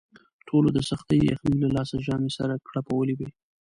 ټولو د سختې یخنۍ له لاسه ژامې سره کړپولې وې.